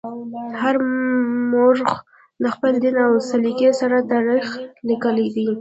هر مورخ د خپل دین او سلیقې سره تاریخ لیکلی دی.